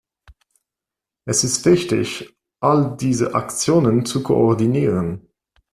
Es ist wichtig, all diese Aktionen zu koordinieren.